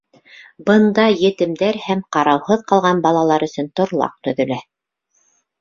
Бында етемдәр һәм ҡарауһыҙ ҡалған балалар өсөн торлаҡ төҙөлә.